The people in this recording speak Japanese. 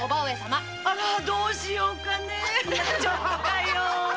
あらどうしようかね。